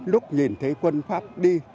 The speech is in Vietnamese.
lúc nhìn thấy quân pháp đi